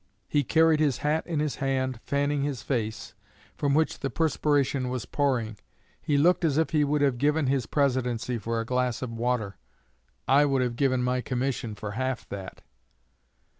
He carried his hat in his hand, fanning his face, from which the perspiration was pouring. He looked as if he would have given his Presidency for a glass of water I would have given my commission for half that.